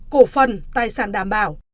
cổ phần tài sản đảm bảo